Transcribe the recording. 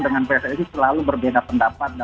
dengan psa ini selalu berbeda pendapatnya dan